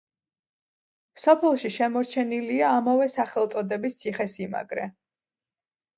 სოფელში შემორჩენილია ამავე სახელწოდების ციხესიმაგრე.